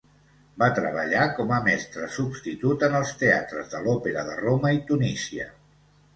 Va treballar com a mestre substitut en els teatres de l'òpera de Roma i Tunísia.